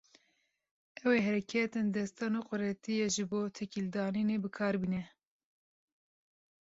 Ew ê hereketên destan û quretiyê ji bo têkilîdanînê bi kar bîne.